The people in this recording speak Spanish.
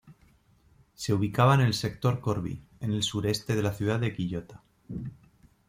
Se ubicaba en el sector Corvi, en el sureste de la ciudad de Quillota.